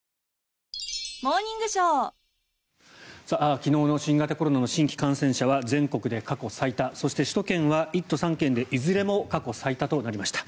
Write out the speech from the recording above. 昨日の新型コロナの新規感染者は全国で過去最多そして首都圏は１都３県でいずれも過去最多となりました。